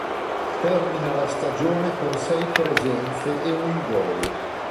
Termina la stagione con sei presenze e un gol.